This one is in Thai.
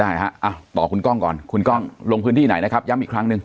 ฮะต่อคุณกล้องก่อนคุณกล้องลงพื้นที่ไหนนะครับย้ำอีกครั้งหนึ่ง